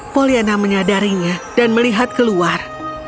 poliana menyadarinya dan melihat keluar